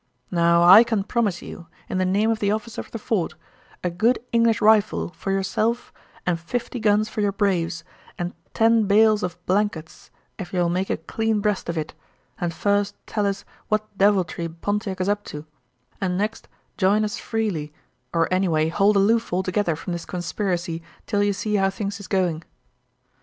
Now I can promise you, in the name of the officer of the fort, a good English rifle for yerself and fifty guns for your braves and ten bales of blankets ef yer'll make a clean breast of it, and first tell us what deviltry Pontiac is up to and next jine us freely or anyway hold aloof altogether from this conspiracy till yer see how things is going.'